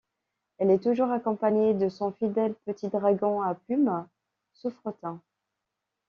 Elle est toujours accompagnée de son fidèle petit dragon à plumes, Soufretin.